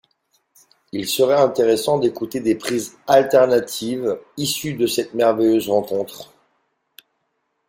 Il serait intéressant d'écouter des prises alternatives issues de cette merveilleuse rencontre.